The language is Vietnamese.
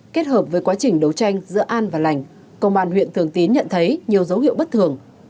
kết hợp với quá trình đấu tranh giữa an và lành công an huyện thường tín nhận thấy nhiều dấu hiệu bất thường